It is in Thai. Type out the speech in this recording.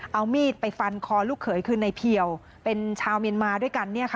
เอามีดไปฟันคอลูกเขยคือในเพียวเป็นชาวเมียนมาด้วยกัน